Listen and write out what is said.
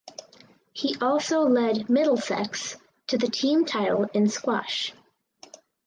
He also led Middlesex to the team title in squash.